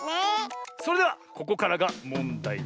それではここからがもんだいです。